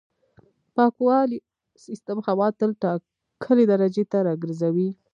پاکوالي سیستم هوا تل ټاکلې درجې ته راګرځوي.